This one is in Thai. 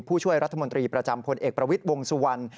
ผู้ช่วยรัฐมนตรีประจำพลเอกประวิทย์วงสุวรรณ